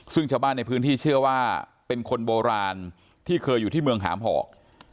ซึ่งชาวบ้านในพื้นที่เชื่อว่าเป็นคนโบราณที่เคยอยู่ที่เมืองหามหอก